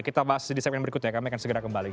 kita bahas di segmen berikutnya kami akan segera kembali